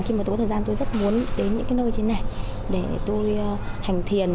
khi mà tôi có thời gian tôi rất muốn đến những cái nơi trên này để tôi hành thiền